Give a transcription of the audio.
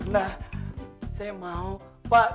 nah saya mau pak